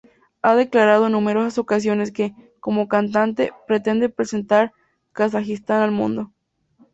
Ha declarado en numerosas ocasiones que, como cantante, pretende presentar Kazajistán al mundo.